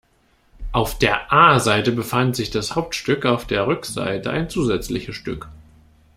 Auf der A-Seite befand sich das Hauptstück, auf der Rückseite ein zusätzliches Stück.